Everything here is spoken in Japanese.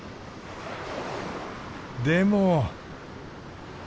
でも。